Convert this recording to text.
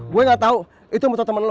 gue gak tau itu motor temen lu